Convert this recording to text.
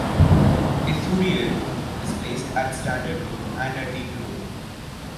"Ithuriel" displaced at standard load and at deep load.